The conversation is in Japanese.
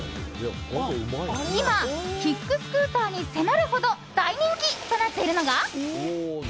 今、キックスクーターに迫るほど大人気となっているのが。